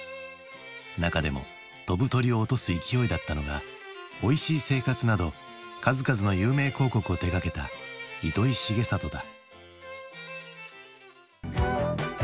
中でも飛ぶ鳥を落とす勢いだったのが「おいしい生活」など数々の有名広告を手がけた糸井重里だ。